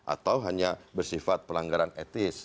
atau hanya bersifat pelanggaran etis